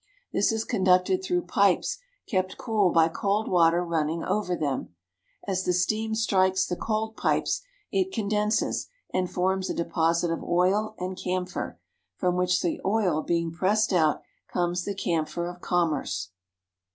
This is conducted through pipes kept cool by cold water running over them. As the steam strikes the cold pipes it con denses and forms a deposit of oil and camphor, from which, the oil being pressed out, comes the camphor of commerce.